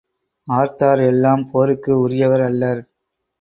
ஆர்த்தார் எல்லாம் போருக்கு உரியவர் அல்லர்.